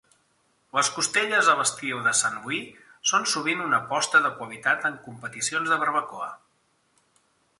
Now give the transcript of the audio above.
Les costelles a l'estil de Saint Louis són sovint una aposta de qualitat en competicions de barbacoa.